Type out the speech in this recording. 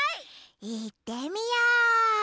いってみよう！